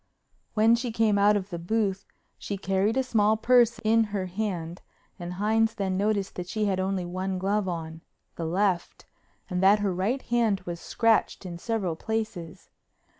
When she came out of the booth she carried a small purse in her hand and Hines then noticed that she had only one glove on—the left—and that her right hand was scratched in several places.